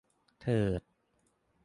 เถิด